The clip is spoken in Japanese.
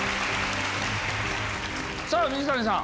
さぁ水谷さん！